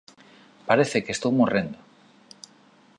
Parece que estou morrendo...